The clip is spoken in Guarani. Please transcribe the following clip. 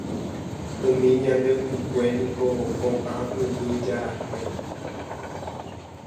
Umi ñande ypykue niko koʼã yvy jarakue.